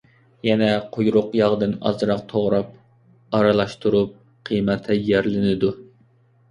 يەنە قۇيرۇق ياغدىن ئازراق توغراپ ئارىلاشتۇرۇپ قىيما تەييارلىنىدۇ.